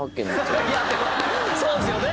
そうですよね！